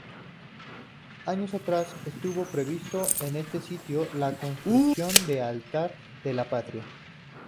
Años atrás estuvo previsto en ese sitio la construcción del Altar de la Patria.